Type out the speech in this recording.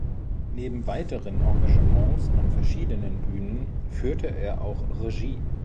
Neben weiteren Engagements an verschiedenen Bühnen führte er auch Regie.